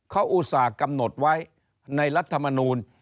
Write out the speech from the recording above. เขาอุตส่าห์กำหนดไว้ในรัฐมนูล